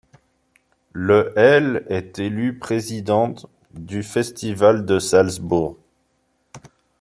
Le elle est élue présidente du Festival de Salzbourg.